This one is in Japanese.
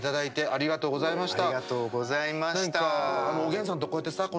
ありがとうございます。